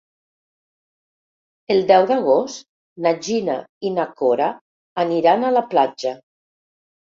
El deu d'agost na Gina i na Cora aniran a la platja.